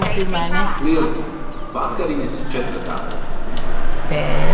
Lieliski. Vakariņas četratā.